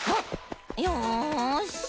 よし。